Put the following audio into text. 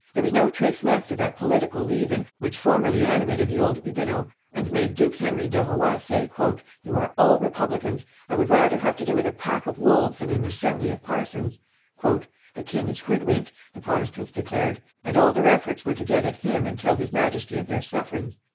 There was no trace left of that political leaven which formerly animated the old Huguenots, and made Duke Henry de Rohan say, "You are all republicans; I would rather have to do with a pack of wolves than an assembly of parsons." "The king is hood winked," the Protestants declared; and all their efforts were to get at him and tell his Majesty of their sufferings.